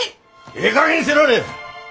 ええかげんにせられえ！